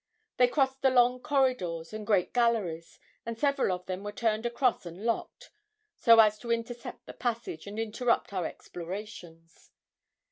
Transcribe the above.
They crossed the long corridors and great galleries; and several of them were turned across and locked, so as to intercept the passage, and interrupt our explorations.